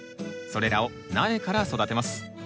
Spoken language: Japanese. それらを苗から育てます。